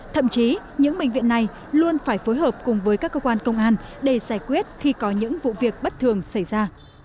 thậm chí những bệnh viện này luôn phải phối hợp cùng với các cơ quan công an để giải quyết khi có những vụ việc bất thường xảy ra